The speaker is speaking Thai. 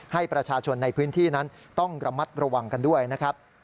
ให้ประชาชนในพื้นที่นั้นต้องระมัดระวังกันด้วยนะครับ